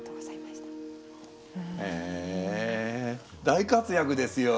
大活躍ですよ